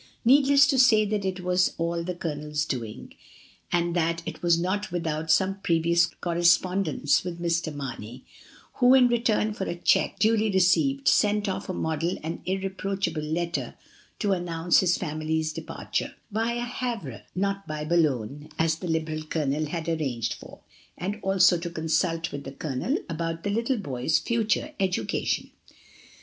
Needless to say that it was all the Colonel's doing, and that it was not without some previous correspondence with Mr. Marney, who, in return for a cheque, duly received, sent off a model and irreproachable letter to announce his family's departure (vtd Havre, not by Boulogne, as the liberal Colonel had arranged for), and also to consult with the Colonel about the little boys' future education.